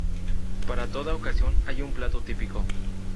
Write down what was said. Para toda ocasión hay un plato típico.